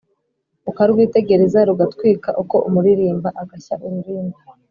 Ukarwitegereza rugatwika, Uko umuririmba ugashya ururimbi,